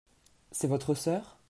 C’est votre sœur ?